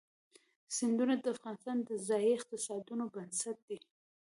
سیندونه د افغانستان د ځایي اقتصادونو بنسټ دی.